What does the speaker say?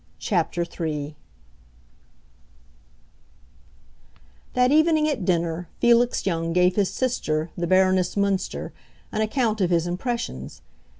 CHAPTER III That evening at dinner Felix Young gave his sister, the Baroness Münster, an account of his impressions.